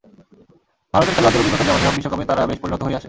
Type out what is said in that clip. ভারতের খেলোয়াড়দের অভিজ্ঞতা যেমনই হোক, বিশ্বকাপে তারা বেশ পরিণত হয়েই আসে।